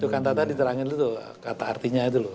tuh kantata diterangin tuh kata artinya itu loh